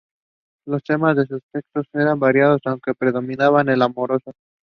Miga studied biological sciences at the University of Tennessee.